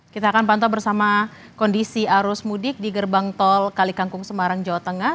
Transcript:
kita akan pantau bersama kondisi arus mudik di gerbang tol kalikangkung semarang jawa tengah